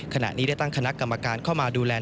ขณะนี้ได้ตั้งคณะกรรมการเข้ามาดูแล